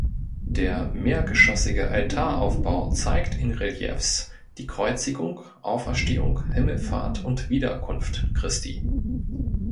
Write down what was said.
Der mehrgeschossige Altaraufbau zeigt in Reliefs die Kreuzigung, Auferstehung, Himmelfahrt und Wiederkunft Christi.